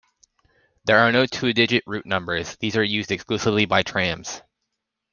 There are no two-digit route numbers - these are used exclusively by trams.